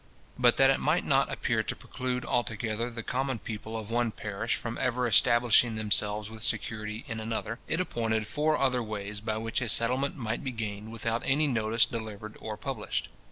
But that it might not appear to preclude altogether the common people of one parish from ever establishing themselves with security in another, it appointed four other ways by which a settlement might be gained without any notice delivered or published.